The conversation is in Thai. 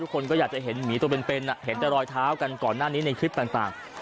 คนก็อยากจะเห็นหมีตัวเป็นเห็นแต่รอยเท้ากันก่อนหน้านี้ในคลิปต่าง